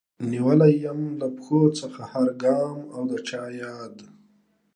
نيولی يم له پښو څخه هر ګام او د چا ياد